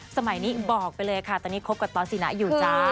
สมัยนี้บอกไปเลยค่ะตอนนี้คบกับตอสสินะอยู่จ้า